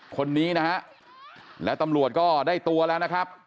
คนนี้นะฮะแล้วตำรวจก็ได้ตัวแล้วนะครับ